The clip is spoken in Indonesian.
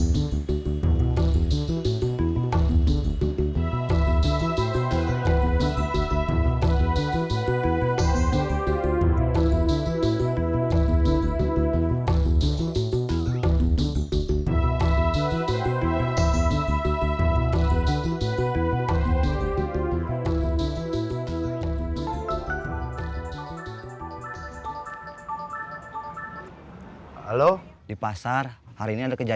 kemor udah saya cek rumahnya